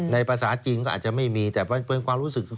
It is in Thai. ภาษาจริงก็อาจจะไม่มีแต่เป็นความรู้สึกคือ